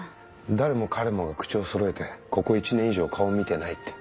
誰も彼もが口をそろえてここ１年以上顔見てないって。